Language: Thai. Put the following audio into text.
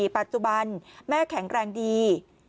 ปัจจุบันแม่แข็งแรงดี